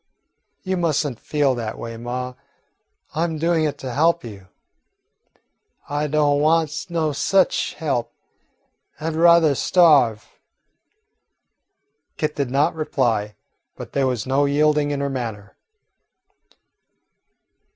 "You must n't feel that away, ma. I 'm doin' it to help you." "I do' want no sich help. I 'd ruther starve." Kit did not reply, but there was no yielding in her manner.